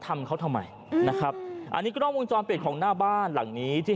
ทำเขาทำไมนะครับอันนี้กล้องวงจรปิดของหน้าบ้านหลังนี้ที่